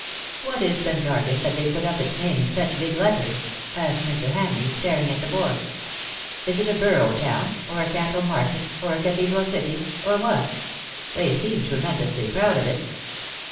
" What is Pentargon, that they put up its name in such big letters T' asked Mr. Hamleigh, staring at the board. " Is it a borough town — or a cattle market — or a cathedral city — or what ? They seem tremendously proud of it."